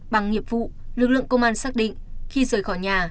bằng nghiệp vụ lực lượng công an xác định khi rời khỏi nhà